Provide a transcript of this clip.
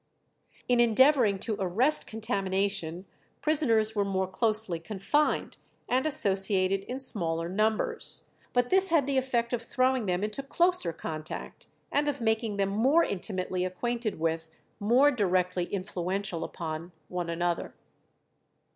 In endeavouring to arrest contamination, prisoners were more closely confined, and associated in smaller numbers; but this had the effect of throwing them into closer contact, and of making them more intimately acquainted with, more directly influential upon, one another.